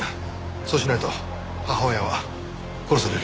そうしないと母親は殺される。